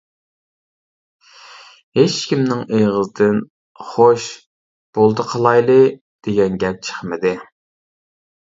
ھېچكىمنىڭ ئېغىزىدىن ‹ ‹خوش، بولدى قىلايلى› › دېگەن گەپ چىقمىدى.